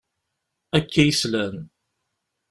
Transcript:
Akka i slan.